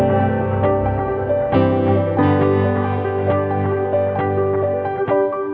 เรียนเล่นด้วย